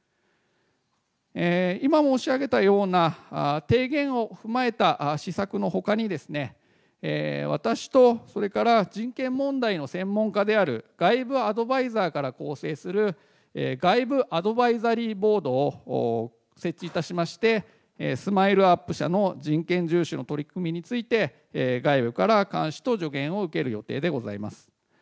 今申し上げたような提言を踏まえた施策のほかにですね、私とそれから人権問題の専門家である外部アドバイザーから構成する外部アドバイザリーボードを設置いたしまして、ＳＭＩＬＥーＵＰ．社の人権重視の取り組みについて、外部から監視と助言を受ける予定でございます。